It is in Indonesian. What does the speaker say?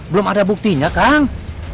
belum ada buktinya kang